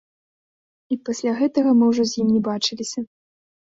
І пасля гэтага мы ўжо з ім не бачыліся.